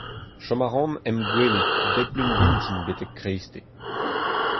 Chom a ran em gwele, bep Lun vintin betek kreisteiz.